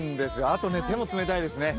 あと手も冷たいですね。